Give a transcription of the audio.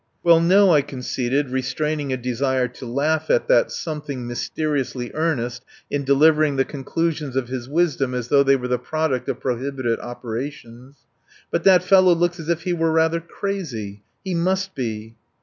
"Well, no," I conceded, restraining a desire to laugh at that something mysteriously earnest in delivering the conclusions of his wisdom as though it were the product of prohibited operations. "But that fellow looks as if he were rather crazy. He must be."